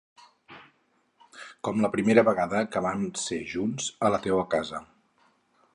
Com la primera vegada que vam ser junts, a la teua casa.